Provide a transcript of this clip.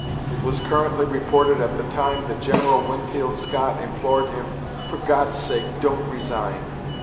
It was currently reported at the time that Gen. Winfield Scott implored him, "For God's sake, don't resign!"